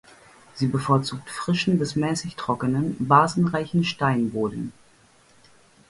Sie bevorzugt frischen bis mäßig trockenen, basenreichen Steinboden.